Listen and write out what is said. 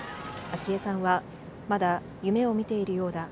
昭恵さんは、まだ夢を見ているようだ。